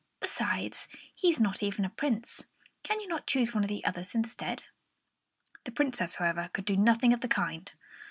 Besides, he is not even a Prince. Can you not choose one of these others instead?" The Princess, however, could do nothing of the kind.